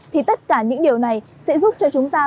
thì tất cả những điều này sẽ giúp cho chúng ta